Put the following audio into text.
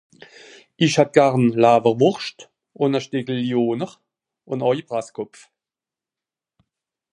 Isch hätt Garn Lawerwurscht un e Steckel Lyoner un au Presskopf